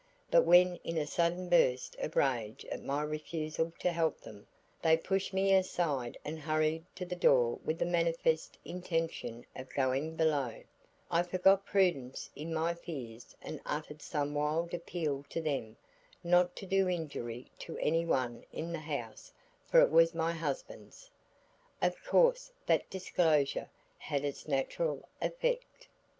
But when in a sudden burst of rage at my refusal to help them, they pushed me aside and hurried to the door with the manifest intention of going below, I forgot prudence in my fears and uttered some wild appeal to them not to do injury to any one in the house for it was my husband's. Of course that disclosure had its natural effect.